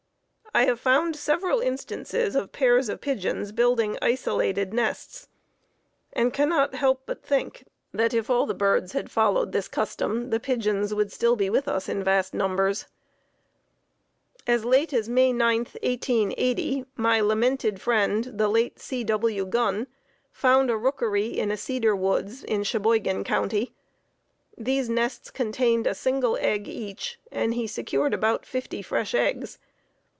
I have found several instances of pairs of pigeons building isolated nests, and cannot help but think that if all birds had followed this custom that the pigeons would still be with us in vast numbers. As late as May 9, 1880, my lamented friend, the late C. W. Gunn, found a rookery in a cedar woods in Cheboygan County. These nests contained a single egg each, and he secured about fifty fresh eggs.